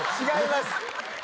違います。